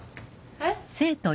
えっ？